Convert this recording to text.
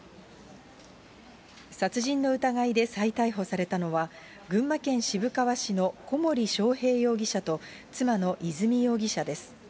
殺人の疑いで再逮捕されたのは、群馬県渋川市の小森章平容疑者と妻の和美容疑者です。